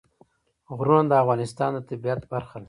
غرونه د افغانستان د طبیعت برخه ده.